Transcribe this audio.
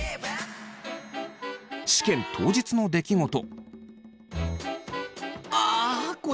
試験当日の出来事。